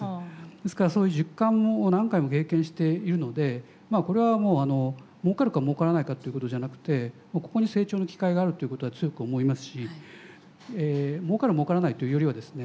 ですからそういう実感も何回も経験しているのでまあこれはもう儲かるか儲からないかっていうことじゃなくてここに成長の機会があるっていうことは強く思いますし儲かる儲からないというよりはですね